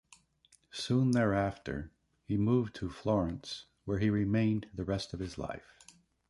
Soon thereafter, he moved to Florence, where he remained the rest of his life.